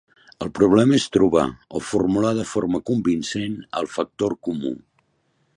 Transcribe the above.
El problema és trobar, o formular de forma convincent, el factor comú.